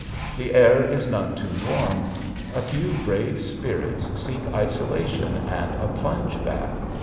The air is none too warm. A few brave spirits seek isolation and a plunge bath.